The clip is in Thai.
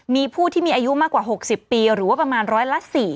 มีผู้ที่มีอายุมากกว่า๖๐ปีหรือว่าประมาณร้อยละ๔